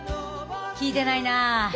聞いてないな。